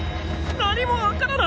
何も分からない！